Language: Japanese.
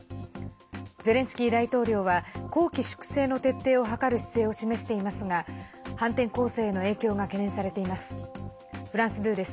ゼレンスキー大統領は綱紀粛正の徹底を図る姿勢を示していますが反転攻勢への影響が懸念されています。